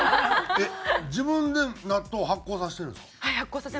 えっ自分で納豆発酵させてるんですか？